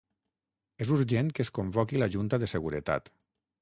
És urgent que es convoqui la junta de seguretat.